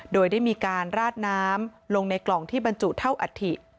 โดยได้มีการราดน้ำลงในกล่องที่บรรจุเท่าอัฐิ